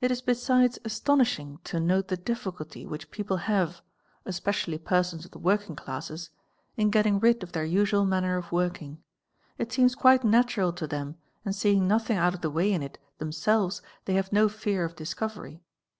It is besides astonishing to note the difficulty which people have, specially persons of the working classes, in getting rid of their usual manner of working; it seems quite natural to them and seeing nothing ut of the way in it themselves they have no fear of discovery.